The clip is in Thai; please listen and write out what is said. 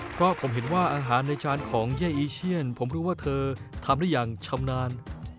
เพราะผมเห็นว่าอาหารในชานของเย่อีเชียนผมรู้ว่าเธอทำได้อย่างชำนาญ